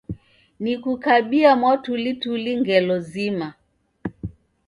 Nikukabia mwatulituli ngelo zima